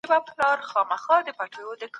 که ماشوم اورېدنه وکړي، لارښوونه نه ورکېږي.